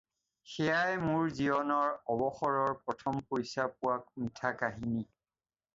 সেয়াই মোৰ জীৱনৰ অৱসৰৰ প্ৰথম পইছা পোৱাৰ মিঠা কাহিনী।